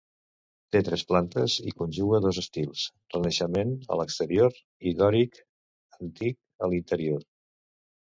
Té tres plantes i conjuga dos estils: renaixement a l'exterior i dòric antic a l'interior.